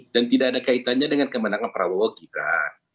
dan tidak ada kaitannya dengan kemenangan prabowo gibrang